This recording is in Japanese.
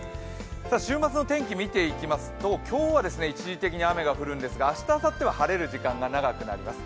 週末の天気を見ていきますと、今日は一時的に雨が降るんですが、明日あさっては晴れる時間が長くなります。